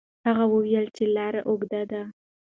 هغه وویل چې لار اوږده ده.